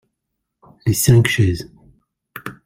Les cinq chaises.